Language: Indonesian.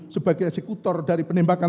sebagai eksekutor dari penembakan